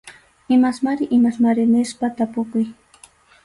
Imasmari imasmari nispa tapukuy.